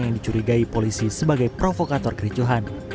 yang dicurigai polisi sebagai provokator kericuhan